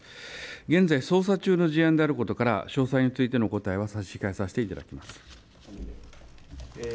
現在、捜査中の事案であることから詳細についてのお答えは差し控えさせていただきます。